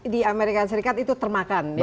di amerika serikat itu termakan